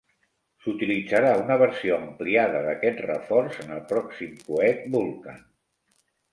S'utilitzarà una versió ampliada d'aquest reforç en el pròxim coet Vulcan.